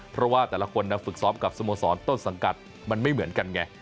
เพราะว่าแต่ละคนฝึกซ้อมกับสโมสรต้นสังกัดมันไม่เหมือนกันไง